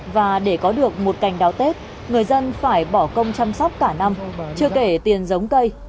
và để có được một cảnh đào tết người dân phải bỏ công chăm sóc cả năm chưa kể tiền giống cây